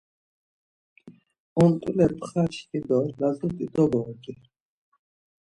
Ont̆ule pxaçki do lazut̆i doborgi.